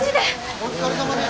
お疲れさまです。